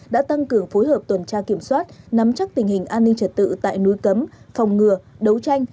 đã tăng cường phối hợp tuần tra kiểm soát nắm chắc tình hình an ninh trật tự tại núi cấm phòng ngừa đấu tranh